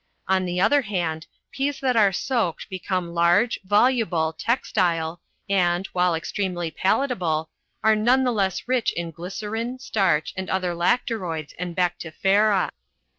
On the other hand, peas that are soaked become large, voluble, textile, and, while extremely palatable, are none the less rich in glycerine, starch, and other lacteroids and bactifera.